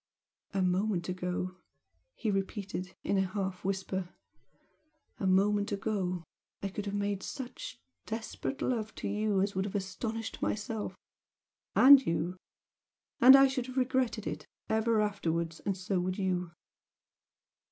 "A moment ago!" he repeated, in a half whisper. "A moment ago I could have made such desperate love to you as would have astonished myself! and YOU! And I should have regretted it ever afterwards and so would you!"